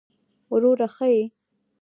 وروره ښه يې!